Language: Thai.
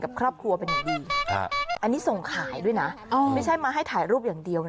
กับครอบครัวเป็นอย่างดีอันนี้ส่งขายด้วยนะไม่ใช่มาให้ถ่ายรูปอย่างเดียวนะ